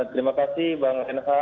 terima kasih bang renha